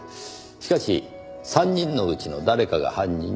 しかし３人のうちの誰かが犯人に間違いない。